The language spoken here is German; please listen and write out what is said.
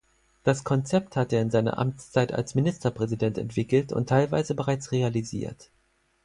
Das Konzept hatte er in seiner Amtszeit als Ministerpräsident entwickelt und teilweise bereits realisiert.